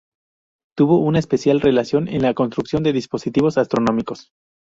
Tuvo una especial relación en la construcción de dispositivos astronómicos.